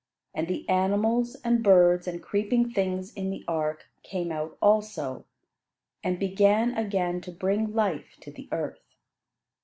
And the animals, and birds, and creeping things in the ark, came out also, and began again to bring life to the earth.